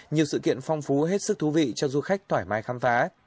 nhiều sự kiện phong phú hết sức thú vị cho du khách thoải mái khám phá